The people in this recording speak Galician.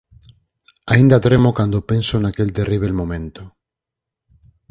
Aínda tremo cando penso naquel terríbel momento.